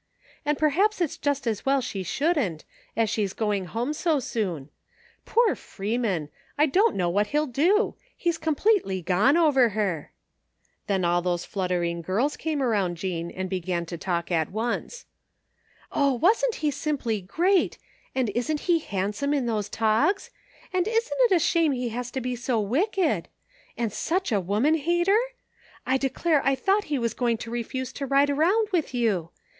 " And perhaps it's just as well she shouldn't, as she's going home so soon. Poor Freeman! I don't know what he'll do. He's completely gone over her !" 236 THE FINDING OF JASPER HOLT Then all those fluttering 'girls came around Jean and began to talk at once. " Oh, wasn't he simply great ! And isn't he hand some in those togs ? And isn't it a shame he has to be so wicked? And such a woman hater? I declare I thought he was going to refuse to ride around with you.